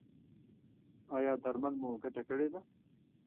ایا درمل مو ګټه کړې ده؟